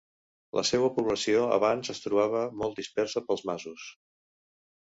La seua població, abans, es trobava molt dispersa pels masos.